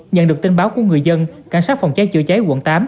nhận được tin báo của người dân cảnh sát phòng cháy chữa cháy quận tám